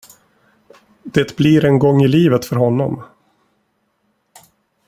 Det blir en gång i livet för honom.